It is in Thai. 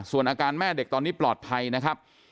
ส่วนอาการแม่เด็กตอนนี้ปลอดภัยนะครับ